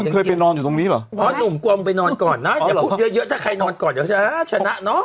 เมื่อเชียวคุณเคยไปนอนอยู่ตรงนี้หรอเหรอ